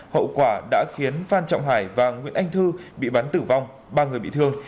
hậu quả đã khiến phan trọng hải và nguyễn anh thư bị bắn tử vong ba người bị thương